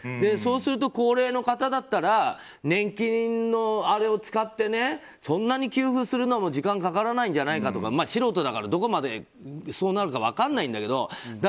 そうすると高齢の方だったら年金のあれを使ってそんなに給付するのも時間がかからないんじゃないかとか素人だからどこまでそうなるか分かんないんだけど。